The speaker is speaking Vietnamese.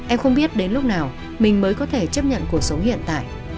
em không biết đến lúc nào mình mới có thể chấp nhận cuộc sống hiện tại